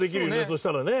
そしたらね。